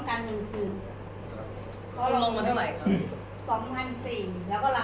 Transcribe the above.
จากที่เราลงบอกว่า๑๕วันได้